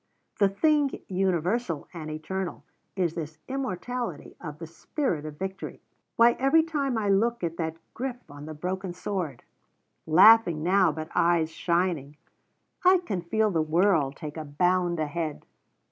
The thing universal and eternal is this immortality of the spirit of victory. Why, every time I look at that grip on the broken sword," laughing now, but eyes shining "I can feel the world take a bound ahead!"